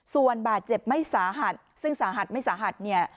ส่วนบาดเจ็บไม่สาหัสซึ่งสาหัสไม่สาหัสเนี่ย